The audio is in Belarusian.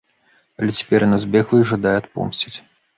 Але цяпер яна збегла і жадае адпомсціць.